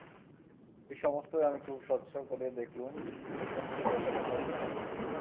এই-সমস্তই আমি খুব স্বচ্ছ করে দেখলুম, লেশমাত্র কুয়াশা কোথাও ছিল না।